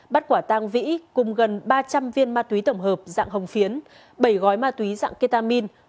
bắt quả tang vĩ cùng gần ba trăm linh viên ma túy tổng hợp dạng hồng phiến bảy gói ma túy dạng ketamin